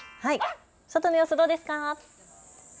外の様子どうですか。